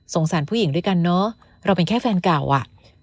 สารผู้หญิงด้วยกันเนอะเราเป็นแค่แฟนเก่าอ่ะ